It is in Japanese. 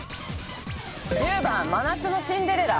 １０番真夏のシンデレラ。